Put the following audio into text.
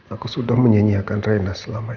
aku sudah menyanyiakan rena selama ini